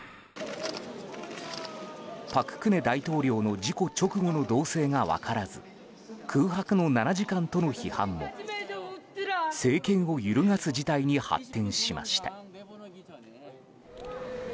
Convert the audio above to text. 朴槿惠大統領の事故直後の動静が分からず空白の７時間との批判も政権を揺るがす事態に発展しました。